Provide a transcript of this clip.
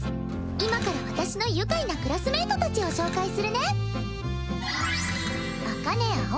今から私の愉快なクラスメイト達を紹介するね赤根葵